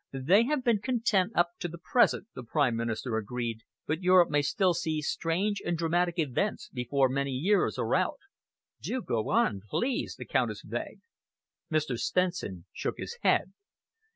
"They have been content to, up to the present," the Prime Minister agreed, "but Europe may still see strange and dramatic events before many years are out." "Do go on, please," the Countess begged. Mr. Stenson shook his head.